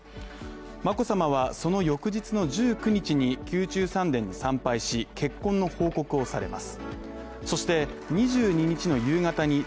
眞子さまはその翌日の１９日に宮中三殿に参拝し、結婚の報告をされます。